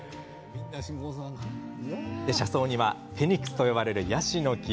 車窓にはフェニックスと呼ばれるヤシの木。